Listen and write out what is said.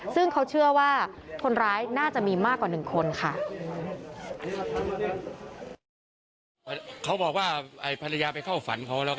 ซึ่งเขาเชื่อว่าคนร้ายน่าจะมีมากกว่า๑คนค่ะ